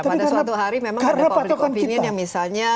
pada suatu hari memang ada public opinion yang misalnya